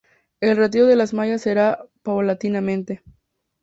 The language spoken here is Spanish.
El retiro de las mallas será paulatinamente.